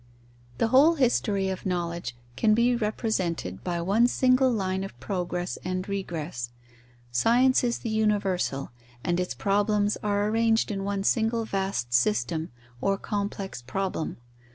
The whole history of knowledge can be represented by one single line of progress and regress. Science is the universal, and its problems are arranged in one single vast system, or complex problem.